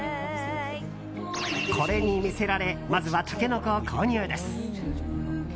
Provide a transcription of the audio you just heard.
これに魅せられまずはタケノコ購入です。